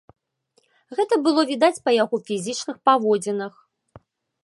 Гэта было відаць па яго фізічных паводзінах.